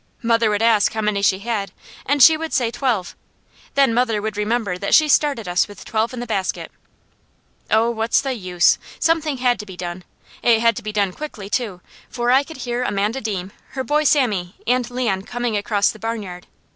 Mother would ask how many she had, and she would say twelve, then mother would remember that she started us with twelve in the basket Oh what's the use! Something had to be done. It had to be done quickly too, for I could hear Amanda Deam, her boy Sammy and Leon coming across the barnyard.